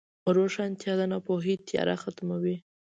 روښانتیا د ناپوهۍ تیاره ختموي.